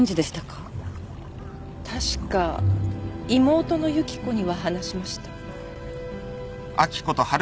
確か妹の雪子には話しました。